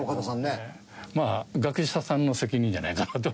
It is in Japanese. まあ学者さんの責任じゃないかなと。